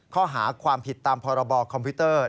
ข้อหาความผิดตามพรบคอมพิวเตอร์